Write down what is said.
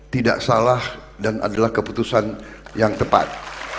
tidak salah dan adalah keputusan yang tepat